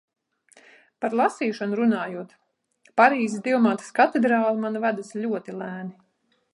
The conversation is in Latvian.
Par lasīšanu runājot, "Parīzes Dievmātes katedrāle" man vedas ļoti lēni.